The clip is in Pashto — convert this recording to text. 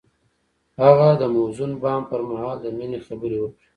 هغه د موزون بام پر مهال د مینې خبرې وکړې.